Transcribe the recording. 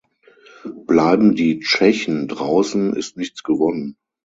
Bleiben die Tschechen draußen, ist nichts gewonnen.